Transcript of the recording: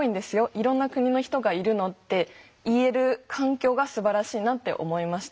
いろんな国の人がいるの！」って言える環境がすばらしいなって思いました。